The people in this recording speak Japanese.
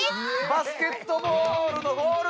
バスケットボールのゴール。